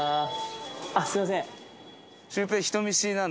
あっすみません。